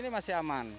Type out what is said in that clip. ini masih aman